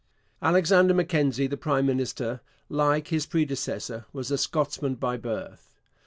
Alexander Mackenzie, the prime minister, like his predecessor, was a Scotsman by birth.